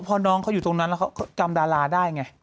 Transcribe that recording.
พอน้องเขาอยู่ตรงนั้นแล้วเขาจำดาราได้ไง